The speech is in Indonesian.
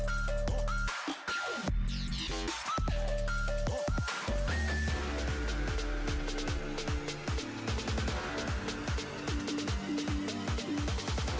jadi untuk meraih pansa pasar mereka sudah berbisnis berbasis digital